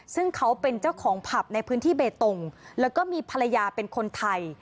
ซึ่งเขาเป็นเจ้าของผับในพื้นที่เบตงแล้วก็มีภรรยาเป็นคนไทย